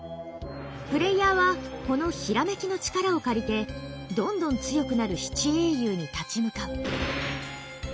プレイヤーはこの閃きの力を借りてどんどん強くなる七英雄に立ち向かう。